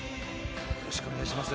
よろしくお願いします。